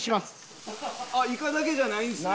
イカだけじゃないんですね。